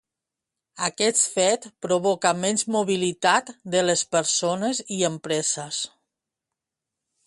Aquest fet provoca menys mobilitat de les persones i empreses.